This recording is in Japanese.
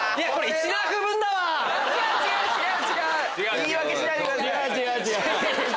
言い訳しないでください。